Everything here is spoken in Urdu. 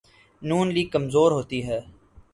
ن لیگ کمزور ہوتی ہے۔